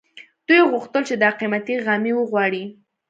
دوی غوښتل چې دا قيمتي غمی وغواړي